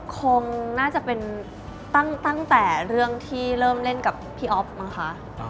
คงน่าจะเป็นตั้งแต่เรื่องที่เริ่มเล่นกับพี่อ๊อฟมั้งคะ